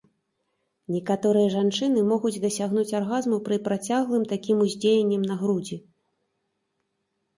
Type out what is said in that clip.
Некаторыя жанчыны могуць дасягнуць аргазму пры працяглым такім уздзеяннем на грудзі.